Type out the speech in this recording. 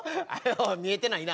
見えてないな。